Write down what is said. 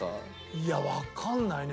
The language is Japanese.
いやわかんないね。